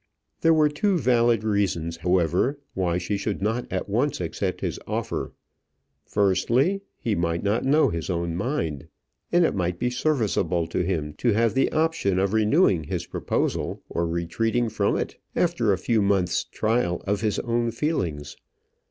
There were two valid reasons, however, why she should not at once accept his offer. Firstly, he might not know his own mind, and it might be serviceable to him to have the option of renewing his proposal or retreating from it after a few months' trial of his own feelings.